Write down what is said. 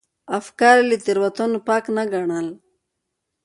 افکار یې له تېروتنو پاک نه ګڼل.